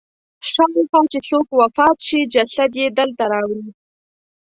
شاوخوا چې څوک وفات شي جسد یې دلته راوړي.